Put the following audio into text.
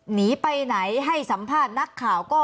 หนีไปไหนให้สัมภาษณ์นักข่าวก็